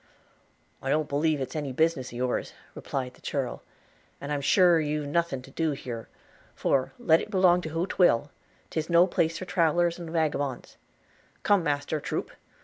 'I don't believe 'tis any business of yours,' replied the churl, 'and I'm sure you've nothing to do here; for, let it belong to who 'twill – 'tis no place for travelers and wagabons – Come, master, troop!